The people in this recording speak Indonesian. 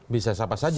bisa siapa saja